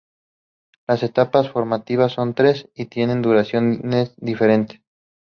Las etapas formativas son tres y tienen duración diferente.